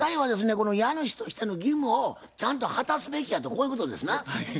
この家主としての義務をちゃんと果たすべきやとこういうことですな。